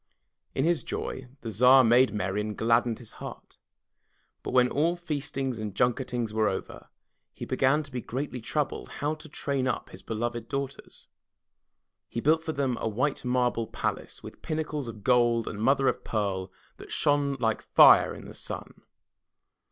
In his joy, the Tsar made merry and gladdened his heart. But when all the feastings and junketings were over, he began to be greatly troubled how to train up his beloved daughters. He built for them a white marble palace, with pinnacles of gold and mother of pearl that shone like fire in the sun.